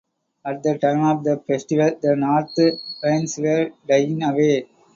At the time of the festival, the north winds were dying away.